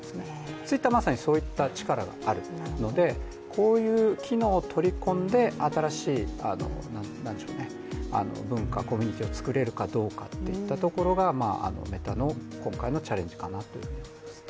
Ｔｗｉｔｔｅｒは、まさにそういった力があるのでこういう機能を取り込んで新しい文化、コミュニティーを作れるかどうかといったところがメタの今回のチャレンジかなと思いますね。